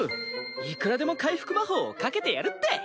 いくらでも回復魔法をかけてやるって。